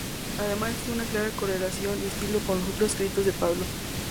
Además existe una clara correlación y estilo con los otros escritos de Pablo.